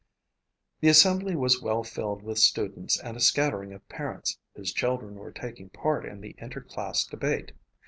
The assembly was well filled with students and a scattering of parents whose children were taking part in the inter class debate.